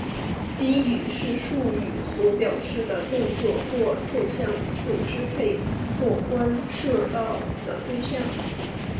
宾语是述语所表示的动作或现象所支配或关涉到的对象。